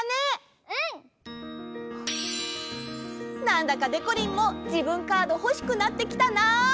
なんだかでこりんも自分カードほしくなってきたな！